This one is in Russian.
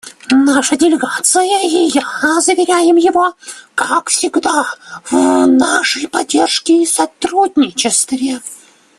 Наша делегация и я заверяем его, как всегда, в нашей поддержке и сотрудничестве.